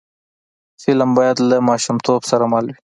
فلم باید له ماشومتوب سره مل وي